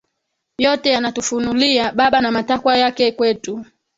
yote yanatufunulia Baba na matakwa yake kwetu